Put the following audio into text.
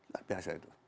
luar biasa itu